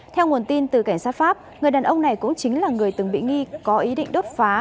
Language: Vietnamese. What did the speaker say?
theo nguồn tin từ cảnh sát pháp người đàn ông này cũng chính là người từng bị nghi có ý định đốt phá